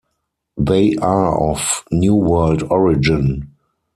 They are of New World origin.